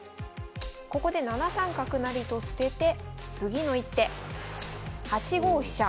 ここで７三角成と捨てて次の一手８五飛車。